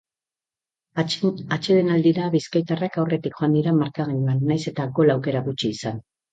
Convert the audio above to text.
Atsedenaldira bizkaitarrak aurretik joan dira markagailuan, nahiz eta gol aukera gutxi izan.